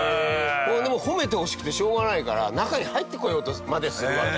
褒めてほしくてしょうがないから中に入ってこようとまでするわけ。